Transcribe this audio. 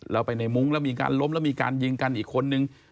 เราไปในมุ้งแล้วมีการล้มแล้วมีการยิงกันอีกคนนึง